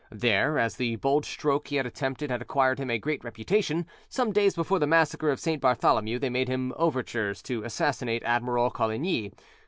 There, as the bold stroke he had attempted had acquired him a great reputation, some days before the Massacre of St. Bartholomew, they made him overtures to assassinate Admiral Coligny.